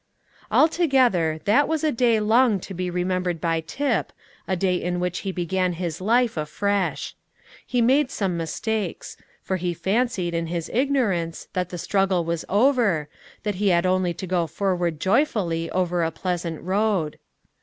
Altogether, that was a day long to be remembered by Tip, a day in which he began his life afresh. He made some mistakes; for he fancied, in his ignorance, that the struggle was over, that he had only to go forward joyfully over a pleasant road.